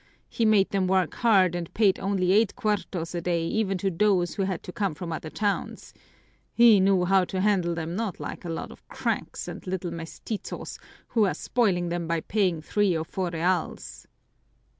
He made them work hard and paid only eight cuartos a day even to those who had to come from other towns. He knew how to handle them, not like a lot of cranks and little mestizos who are spoiling them by paying three or four reals."